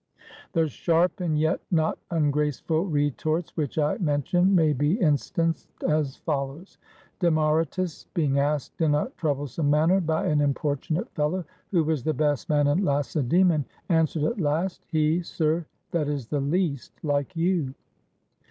The sharp and yet not ungraceful retorts which I mentioned may be instanced as follows. Demaratus, being asked in a troublesome manner by an importunate fellow. Who was the best man in Lacedaemon? answered at last, "He, sir, that is the least like you."